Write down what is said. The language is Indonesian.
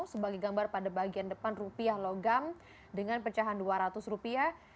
sebagai gambar pada bagian depan rupiah logam dengan pecahan dua ratus rupiah